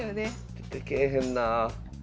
出てけえへんな。